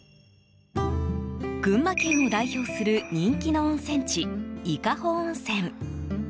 群馬県を代表する人気の温泉地、伊香保温泉。